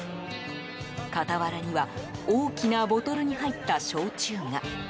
傍らには大きなボトルに入った焼酎が。